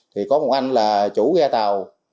thì có một anh là chủ ghe tàu